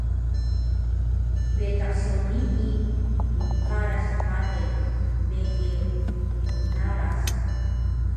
betaq so nii mqaras bale mege qnaras